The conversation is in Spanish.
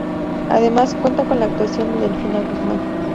Además, cuenta con la actuación de Delfina Guzmán.